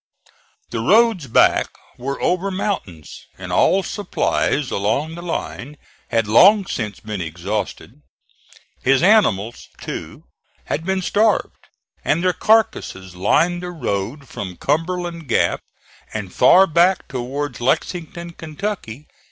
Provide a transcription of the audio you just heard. The roads back were over mountains, and all supplies along the line had long since been exhausted. His animals, too, had been starved, and their carcasses lined the road from Cumberland Gap, and far back towards Lexington, Ky.